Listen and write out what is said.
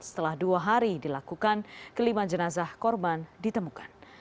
setelah dua hari dilakukan kelima jenazah korban ditemukan